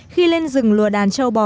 khi lên rừng lùa đàn trâu bò